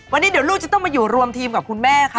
วันนี้เดี๋ยวลูกจะต้องมาอยู่รวมทีมกับคุณแม่ค่ะ